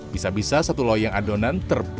bisa bisa satu loyang adonan terlalu tebal